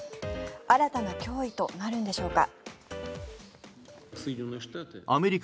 新たな脅威となるんでしょうか。